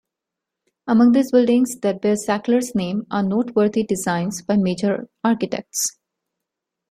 Among these buildings that bear Sackler's name are noteworthy designs by major architects.